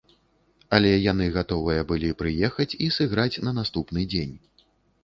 Але яны гатовыя былі прыехаць і сыграць на наступны дзень!